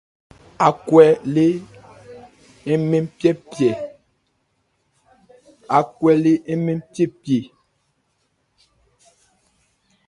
Ákwɛ́n le nmɛ́n pyépyé.